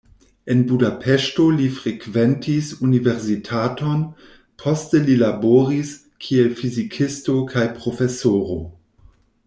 En Budapeŝto li frekventis universitaton, poste li laboris, kiel fizikisto kaj profesoro.